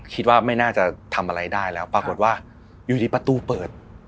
คิดว่าไม่น่าจะทำอะไรได้แล้วปรากฏว่าอยู่ดีประตูเปิด